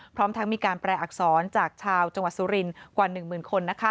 พร้อมทั้งมีการแปลอักษรจากชาวจังหวัดสุรินทร์กว่า๑หมื่นคน